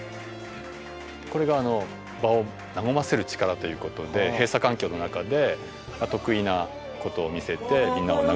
これが場を和ませる力ということで閉鎖環境の中で得意なことを見せて。